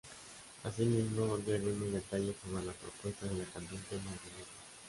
Asimismo, dio algunos detalles sobre la propuesta de la cantante madrileña.